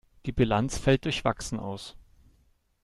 Die Bilanz fällt durchwachsen aus.